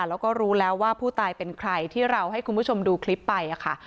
แล้วก็รู้แล้วว่าผู้ตายเป็นใครที่เราให้คุณผู้ชมดูคลิปไปค่ะ